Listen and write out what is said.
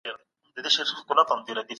پوهه د مطالعې له لاري زياتېږي.